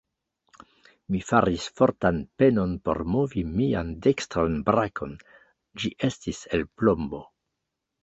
Mi faris fortan penon por movi mian dekstran brakon: ĝi estis el plombo.